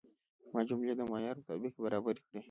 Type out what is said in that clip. ما جملې د معیار مطابق برابرې کړې.